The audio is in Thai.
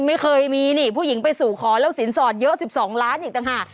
ไม่เคยมีนี่ผู้หญิงไปสู่ขอแล้วสินสอดเยอะ๑๒ล้านอีกต่างหาก